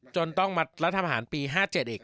จนต้องมารัฐบาลปี๕๗อีก